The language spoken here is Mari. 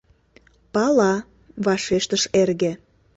— Пала, — вашештыш эрге.